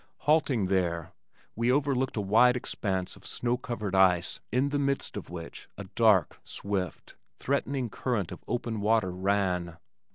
Halting there, we overlooked a wide expanse of snow covered ice in the midst of which a dark, swift, threatening current of open water ran.